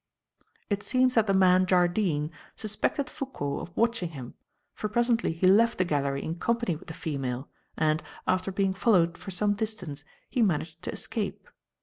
"It seems that the man, Jardine, suspected Foucault of watching him, for presently he left the gallery in company with the female, and, after being followed for some distance, he managed to escape.